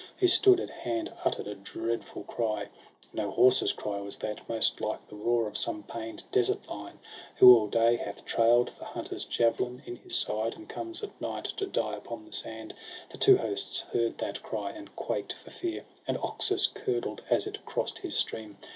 Who stood at hand, utter'd a dreadful cry; — No horse's cry was that, most like the roar Of some pain'd desert Kon, who all day Has traird the hunter's javelin in his side, And comes at night to die upon the sand — The two hosts heard that cry, and quaked for fear, And Oxus curdled as it cross'd his stream.